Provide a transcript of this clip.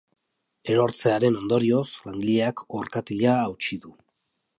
Erortzearen ondorioz, langileak orkatila hautsi du.